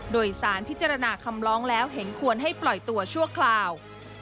โดยสารพิจารณาคำร้องแล้วเห็นควรให้ปล่อยตัวชั่วคราว